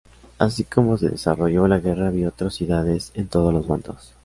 Así como se desarrolló, la guerra vio atrocidades en todos los bandos.